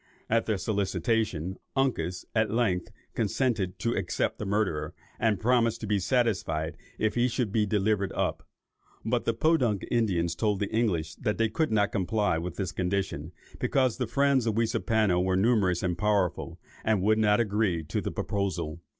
At their solicitation, Uncas at length consented to accept the murderer, and promised to be satisfied if he should be delivered up; but the Podunk Indians told the English that they could not comply with this condition, because the friends of Weaseapano were numerous and powerful, and would not agree to the proposal.